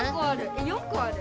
え４こある？